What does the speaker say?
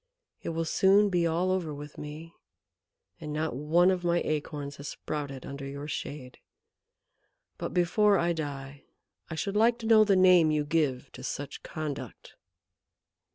It will soon be all over with me, and not one of my acorns has sprouted under your shade. But before I die I should like to know the name you give to such conduct."